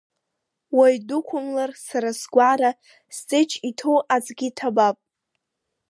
Уаҩ дықәымлар сара сгәара, сҵеџь иҭоу аӡгьы ҭабап!